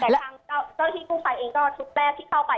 แต่ทางเจ้าหน้าที่กุ้งไปเองก็ทุกแรกที่เข้าไป